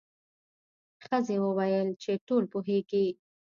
ښځې وویل چې ټول پوهیږي.